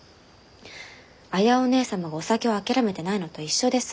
綾お義姉様がお酒を諦めてないのと一緒です。